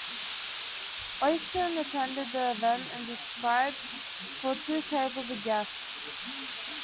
Oyston attended the event and subscribed for two tables of guests.